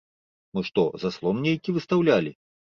Мы што, заслон нейкі выстаўлялі?